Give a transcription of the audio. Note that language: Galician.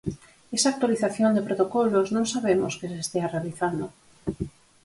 Esa actualización de protocolos non sabemos que se estea realizando.